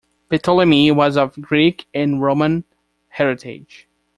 Ptolemy was of Greek and Roman heritage.